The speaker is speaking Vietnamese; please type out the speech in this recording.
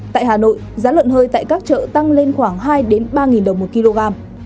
tại hà nội giá lợn hơi tại các chợ tăng lên khoảng hai ba đồng một kg